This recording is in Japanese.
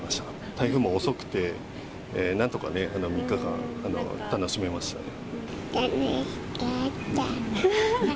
台風も遅くて、なんとかね、３日間、楽しかった。